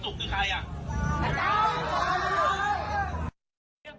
ทุกคนจะการความสุข